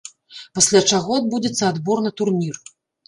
Пасля чаго адбудзецца адбор на турнір.